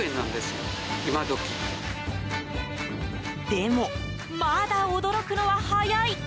でも、まだ驚くのは早い。